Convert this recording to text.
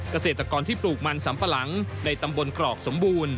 เกษตรกรที่ปลูกมันสำปะหลังในตำบลกรอกสมบูรณ์